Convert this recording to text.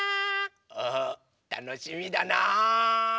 あたのしみだな！